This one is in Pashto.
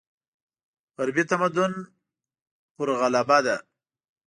غربي تمدن پر غلبه ده.